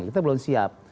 kita belum siap